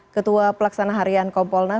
ketua pelaksana harian kompolnas